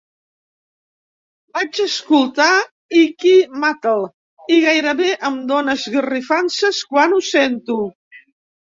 Vaig escoltar "Icky Mettle", i gairebé em dona esgarrifances quan ho sento.